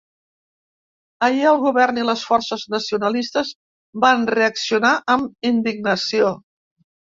Ahir el govern i les forces nacionalistes van reaccionar amb indignació.